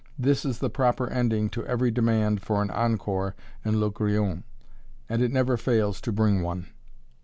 This is the proper ending to every demand for an encore in "Le Grillon," and it never fails to bring one.